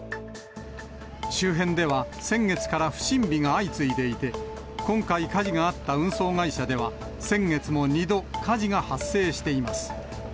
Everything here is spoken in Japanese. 周辺では、先月から不審火が相次いでいて、今回、火事があった運送会社では、先月も２度、火事が発生しています。